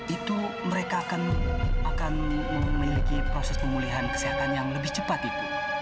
itu mereka akan memiliki proses pemulihan kesehatan yang lebih cepat itu